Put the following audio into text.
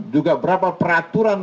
juga berapa peraturan yang kita lakukan